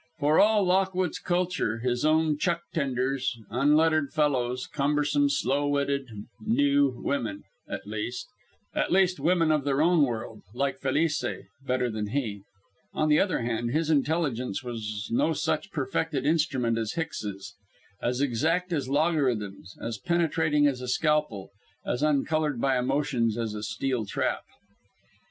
For all Lockwood's culture, his own chuck tenders, unlettered fellows, cumbersome, slow witted, "knew women" at least, women of their own world, like Felice better than he. On the other hand, his intelligence was no such perfected instrument as Hicks's, as exact as logarithms, as penetrating as a scalpel, as uncoloured by emotions as a steel trap.